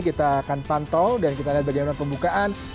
kita akan pantau dan kita lihat bagaimana pembukaan